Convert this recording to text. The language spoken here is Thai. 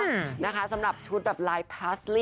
นะคะสำหรับชุดแบบลายพาสลี่